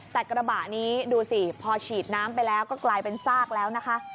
แต่กระบะนี้ดูสิพอฉีดน้ำไปแล้วก็กลายเป็นซากแล้วนะคะ